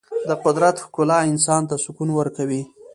د قدرت ښکلا انسان ته سکون ورکوي.